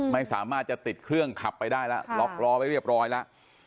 ไม่สามารถจะติดเครื่องขับไปได้แล้วล็อกล้อไว้เรียบร้อยแล้ว